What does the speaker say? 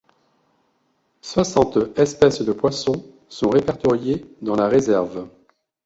Soixante espèces de poissons sont répertoriées dans la réserve.